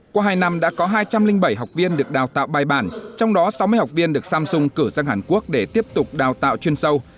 qua hai năm đã có hai trăm linh bảy học viên được đào tạo bài bản trong đó sáu mươi học viên được samsung cử sang hàn quốc để tiếp tục đào tạo chuyên sâu